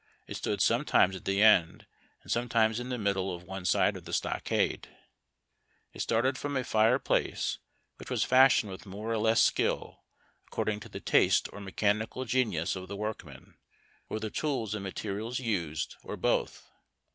It stood sometimes at the end and sometimes in the middle of one side of the stockade. It started from a fire place which was fashioned with more or less skill, according to the taste or mechanical genius of the work man, or the tools and materials used, or both.